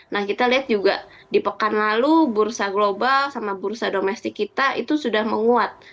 nah kita lihat juga di pekan lalu bursa global sama bursa domestik kita itu sudah menguat